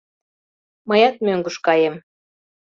Мыят мӧҥгыш каем.